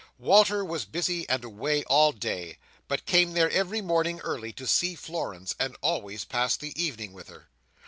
Walter was busy and away all day, but came there every morning early to see Florence, and always passed the evening with her.